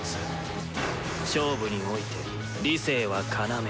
勝負において理性は要。